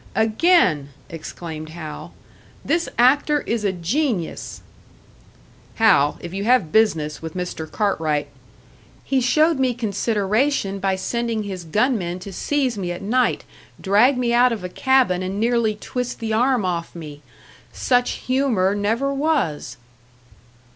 "Again!" exclaimed Hal. "This actor is a genius!" "Hal, if you have business with Mr. Cartwright " "He showed me consideration by sending his gunmen to seize me at night, drag me out of a cabin, and nearly twist the arm off me! Such humour never was!"